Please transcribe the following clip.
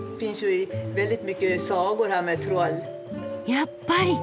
やっぱり！